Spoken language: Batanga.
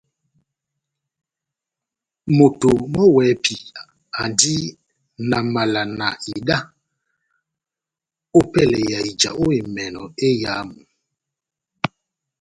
Moto mɔ́ wɛ́hɛ́pi andi na mala na ida ópɛlɛ ya ija ó emɛnɔ éyamu.